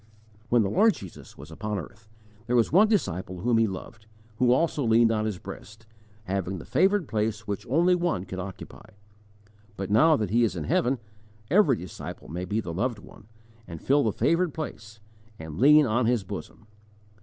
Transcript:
When the Lord Jesus was upon earth, there was one disciple whom He loved, who also leaned on His breast, having the favoured place which only one could occupy. But now that He is in heaven, every disciple may be the loved one, and fill the favoured place, and lean on His bosom.